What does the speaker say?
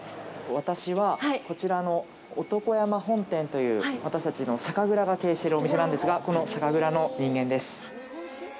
私はこちらの男山本店という私たちの酒蔵を経営しているお店なんですがこの酒蔵の人間です。